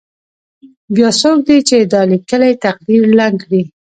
بیا څوک دی چې دا لیکلی تقدیر ړنګ کړي.